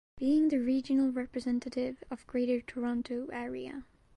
Being the regional representative of Greater Toronto Area.